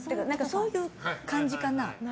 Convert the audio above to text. そういう感じかな。